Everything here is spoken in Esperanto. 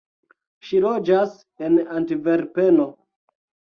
Ŝi loĝas en Antverpeno.